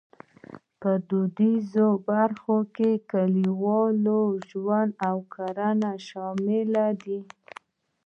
په دودیزه برخه کې کلیوالي ژوند او کرنه شامل دي.